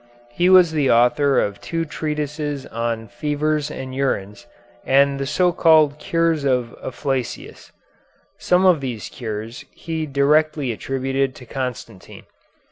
He was the author of two treatises on "Fevers and Urines," and the so called "Cures of Afflacius." Some of these cures he directly attributed to Constantine.